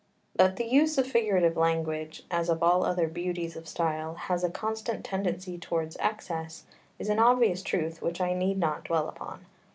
7 That the use of figurative language, as of all other beauties of style, has a constant tendency towards excess, is an obvious truth which I need not dwell upon.